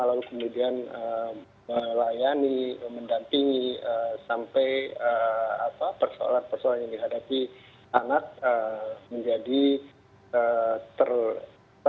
lalu kemudian melayani mendampingi sampai persoalan persoalan yang dihadapi anak menjadi terbatas